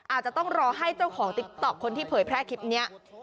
อาจจะต้องรอให้เจ้าของติ๊กต๊อกคนที่เผยแพร่คลิปนี้